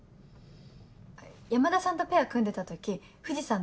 山田さんとペア組んでた時藤さん